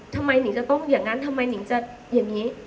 ทำไมหนึ่งจะต้องอย่างงั้นทำไมหนึ่งจะอย่างงี้